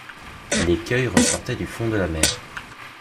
L’écueil ressortait du fond de la mer.